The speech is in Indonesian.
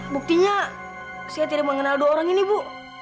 buktinya saya tidak mengenal dua orang ini bu